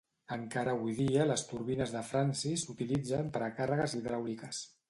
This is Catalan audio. Encara avui en dia les turbines de Francis s'utilitzen per a càrregues hidràuliques.